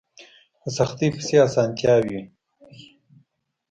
په سختۍ پسې اسانتيا وي